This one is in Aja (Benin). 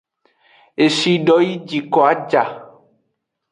Eshi do yi jiko a ja.